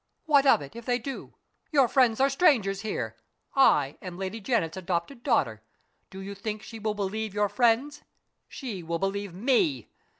"What of it, if they do? Your friends are strangers here. I am Lady Janet's adopted daughter. Do you think she will believe your friends? She will believe me.